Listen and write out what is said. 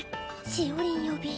しおりん呼び。